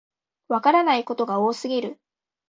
わからないことが多すぎる